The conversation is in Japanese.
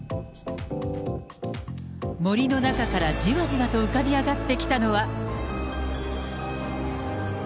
森の中からじわじわと浮かび上がってきたのは。